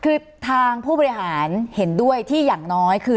คือทางผู้บริหารเห็นด้วยที่อย่างน้อยคือ